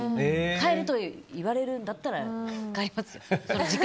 帰れと言われるんだったら帰りますよ。